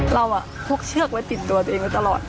เราพกเชือกไว้ติดตัวตัวเองไว้ตลอด